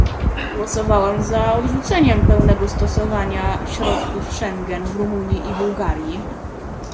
Głosowałam za odrzuceniem pełnego stosowania środków Schengen w Rumunii i Bułgarii